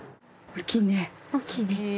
大きいね。